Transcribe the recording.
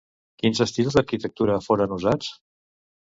Quins estils d'arquitectura foren usats?